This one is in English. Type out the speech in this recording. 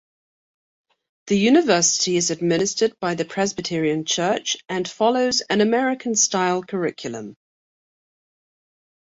The university is administered by the Presbyterian Church and follows an American-style curriculum.